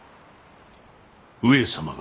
上様が。